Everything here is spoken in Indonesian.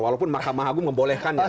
walaupun mahkamah agung membolehkannya